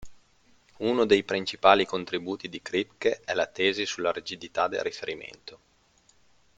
Uno dei principali contributi di Kripke è la tesi della rigidità del riferimento.